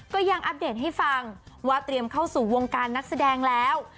ก็ยังอัปเดตให้ฟังว่าเตรียมเข้าสู่วงการนักแสดงแล้ว